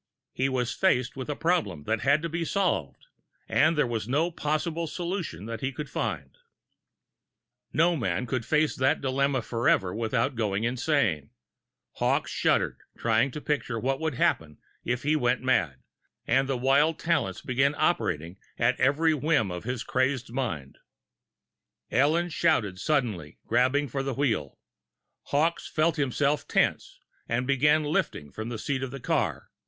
He was faced with a problem that had to be solved and there was no possible solution that he could find. No man could face that dilemma forever without going insane. Hawkes shuddered, trying to picture what would happen if he went mad, and the wild talents began operating at every whim of his crazed mind! Ellen shouted suddenly, grabbing for the wheel. Hawkes felt himself tense, and began lifting from the seat of the car.